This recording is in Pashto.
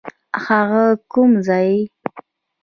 هغه کوم ځای؟